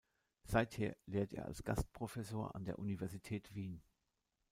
Seither lehrt er als Gastprofessor an der Universität Wien.